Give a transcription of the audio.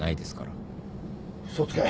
嘘つけ。